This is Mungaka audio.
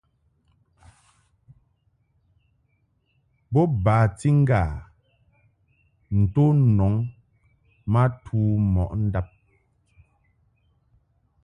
Bo bati ŋga to nɔŋ ma tu mɔʼ ndab.